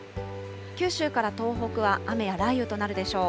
九州から東北は雨や雷雨となるでしょう。